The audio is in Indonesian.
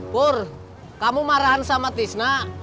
pur kamu marahan sama tisna